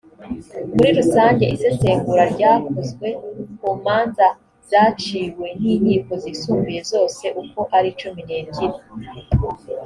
muri rusange isesengura ryakozwe ku manza zaciwe n inkiko zisumbuye zose uko ari cumi n ebyiri